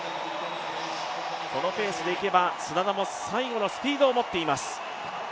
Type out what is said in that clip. このペースで行けば砂田の最後のスピードを持っています。